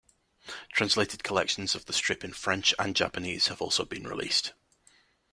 Translated collections of the strip in French and Japanese have also been released.